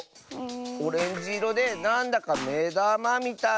オレンジいろでなんだかめだまみたいな。